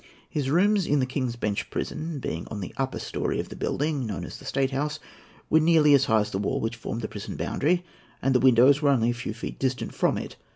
His rooms in the King's Bench Prison, being on the upper storey of the building known as the State House, were nearly as high as the wall which formed the prison boundary, and the windows were only a few feet distant from it.